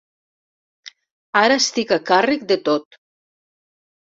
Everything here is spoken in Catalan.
Ara estic a càrrec de tot.